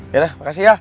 yaudah makasih ya